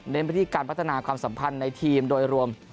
ไปที่การพัฒนาความสัมพันธ์ในทีมโดยรวม